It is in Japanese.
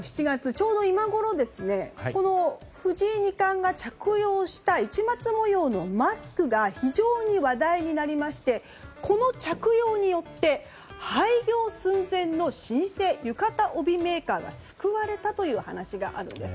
ちょうど今頃ですがこの藤井二冠が着用した市松模様のマスクが非常に話題になりましてこの着用によって廃業寸前の老舗浴衣帯メーカーが救われたという話があるんです。